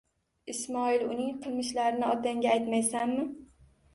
Ismoil, uning qilmishlarini otangga aytmaysanmi?